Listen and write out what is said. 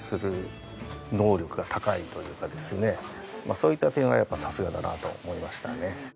そういった点はやっぱさすがだなと思いましたね。